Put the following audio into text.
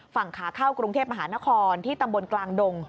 ฝั่งขาเข้ากรุงเทพมหานครที่ตำบลกลางดง